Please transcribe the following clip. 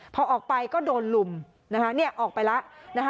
พอออกไปก็โดนลุมนะคะออกไปแล้วนะคะ